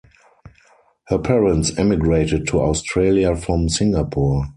Her parents emigrated to Australia from Singapore.